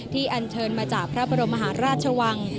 อันเชิญมาจากพระบรมมหาราชวัง